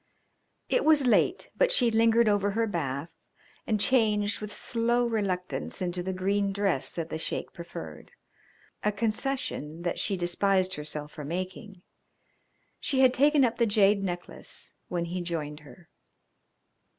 It was late, but she lingered over her bath and changed with slow reluctance into the green dress that the Sheik preferred a concession that she despised herself for making. She had taken up the jade necklace when he joined her.